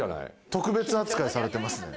特別扱いされてますね。